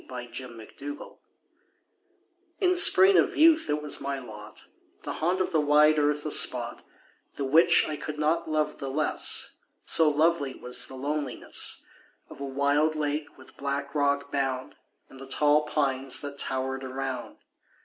THE LAKE —— TO—— In spring of youth it was my lot To haunt of the wide earth a spot The which I could not love the less— So lovely was the loneliness Of a wild lake, with black rock bound, And the tall pines that tower'd around.